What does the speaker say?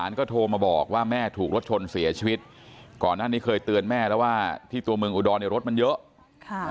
วันนี้บ้านมันลูกจะเปิดเทิมเลยก็ต้องมาดอก